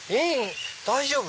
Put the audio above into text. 大丈夫？